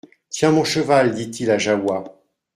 Tiens mon cheval, dit-il à Jahoua.